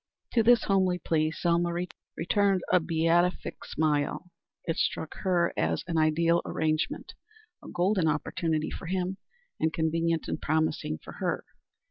To this homely plea Selma returned a beatific smile. It struck her as an ideal arrangement; a golden opportunity for him, and convenient and promising for her.